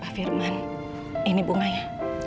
pak firman ini bunganya